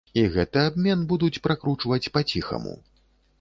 І гэты абмен будуць пракручваць па ціхаму.